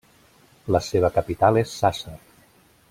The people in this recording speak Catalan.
La seva capital és Sàsser.